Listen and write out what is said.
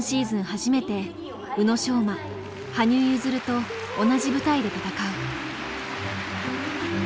初めて宇野昌磨羽生結弦と同じ舞台で戦う。